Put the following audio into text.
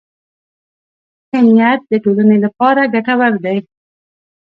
ښه نیت د ټولنې لپاره ګټور دی.